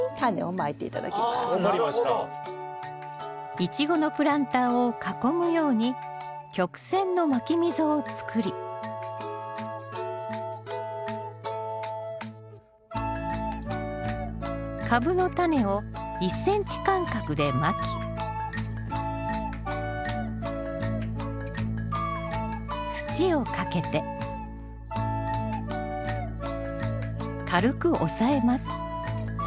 イチゴのプランターを囲むように曲線のまき溝を作りカブのタネを１ｃｍ間隔でまき土をかけて軽く押さえます。